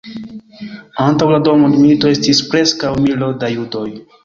Antaŭ la Dua Mondmilito estis preskaŭ milo da judoj.